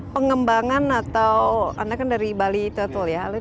pengembangan atau anda kan dari bali total ya